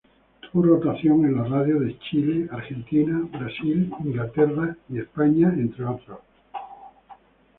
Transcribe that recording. Tuvo rotación en la radios de Chile, Argentina, Brasil, Inglaterra, España, entre otros.